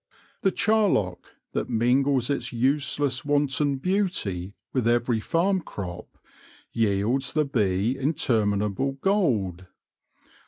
The charlock, that mingles its useless, wanton beauty with every farm crop, yields the bee interminable gold.